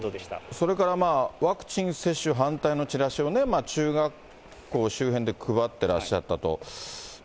それからワクチン接種反対のチラシを中学校周辺で配ってらっしゃったと。